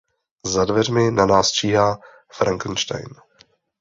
Za dveřmi na nás číhá Frankenstein!